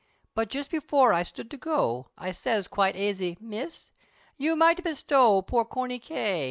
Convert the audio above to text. But just before I stood to go, I siz quite aisy "Miss, You might bestow poor Corney K.